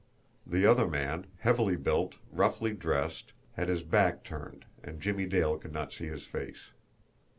The other man, heavily built, roughly dressed, had his back turned, and Jimmie Dale could not see his face.